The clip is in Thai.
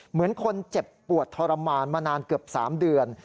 เหมือนคนเจ็บปวดทรมานมานานเกือบ๓เดือน